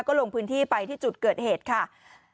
ก็ลงพื้นที่ไปที่จุดเกิดเหตุค่ะ